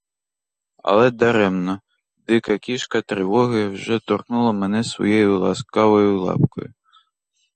Але — даремно: дика кішка тривоги вже торкнула мене своєю ласкавою лапкою.